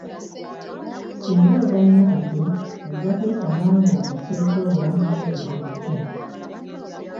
Singa ozannya kati, ojja kwesanga ng'okosezza obulamu bwo gyebujja.